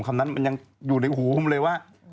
คำนั้นมันยังอยู่ในหูผมเลยว่า